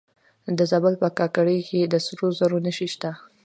د زابل په کاکړ کې د سرو زرو نښې شته.